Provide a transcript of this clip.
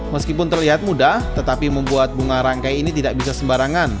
meskipun terlihat mudah tetapi membuat bunga rangkai ini tidak bisa sembarangan